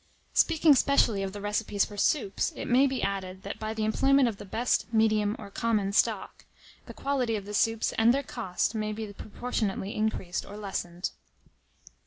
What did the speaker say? _ Speaking specially of the Recipes for Soups, it may be added, that by the employment of the BEST, MEDIUM, or COMMON STOCK, _the quality of the Soups and their cost may be proportionately increased or lessened.